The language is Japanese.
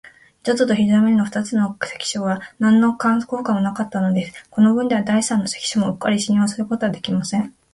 板戸と非常ベルの二つの関所は、なんの効果もなかったのです。このぶんでは、第三の関所もうっかり信用することはできません。